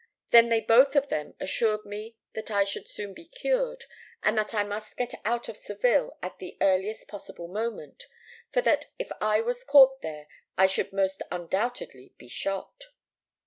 Then they both of them assured me that I should soon be cured, but that I must get out of Seville at the earliest possible moment, for that, if I was caught there, I should most undoubtedly be shot.